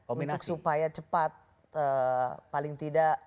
untuk supaya cepat paling tidak